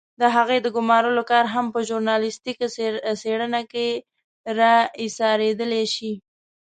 د هغې د ګمارلو کار هم په ژورنالستيکي څېړنه کې را اېسارېدلای شي.